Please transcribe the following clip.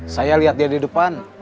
saya lihat dia di depan